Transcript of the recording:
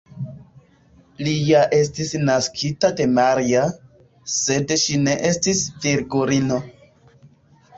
Li ja estis naskita de Maria, sed ŝi ne estis virgulino.